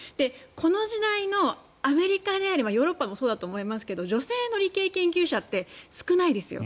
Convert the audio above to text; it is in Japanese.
この時代のアメリカであればヨーロッパもそうだと思いますが女性の理系研究者って少ないですよ。